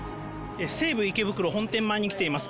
西武池袋本店前に来ています。